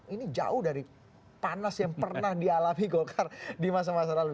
ini jauh dari panas yang pernah dialami golkar di masa masa lalu